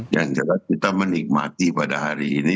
yang jelas kita menikmati pada hari ini